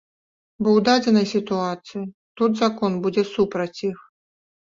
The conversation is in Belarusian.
Бо ў дадзенай сітуацыі тут закон будзе супраць іх.